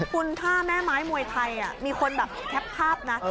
คุณค่าแม่ไม้มวยไทยมีคนแบบแคปภาพนะ